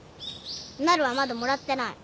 なるはまだもらってない。